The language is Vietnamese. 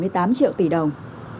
với bảy mươi tám triệu tỷ đồng